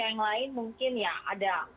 yang lain mungkin ya ada